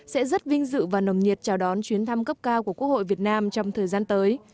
sẽ rất vinh dự và nồng nhiệt chào đón chuyến thăm cấp cao của quốc hội việt nam trong thời gian tới